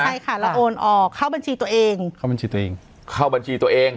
ใช่ค่ะแล้วโอนออกเข้าบัญชีตัวเองเข้าบัญชีตัวเองเข้าบัญชีตัวเอง